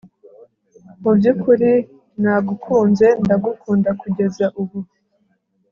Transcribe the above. Mu byukuri nagukunze ndagukunda kugeza ubu